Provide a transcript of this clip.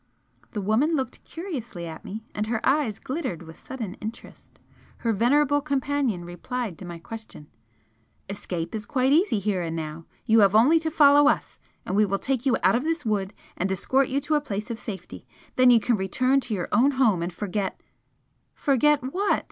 The woman looked curiously at me, and her eyes glittered with sudden interest. Her venerable companion replied to my question "Escape is quite easy here and now. You have only to follow us and we will take you out of this wood and escort you to a place of safety. Then you can return to your own home and forget " "Forget what?"